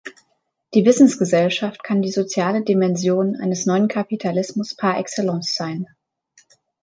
Die Wissensgesellschaft kann die soziale Dimension eines neuen Kapitalismus par excellence sein.